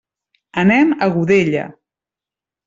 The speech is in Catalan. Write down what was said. Anem a Godella.